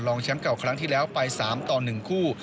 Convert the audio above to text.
แชมป์เก่าครั้งที่แล้วไป๓ต่อ๑คู่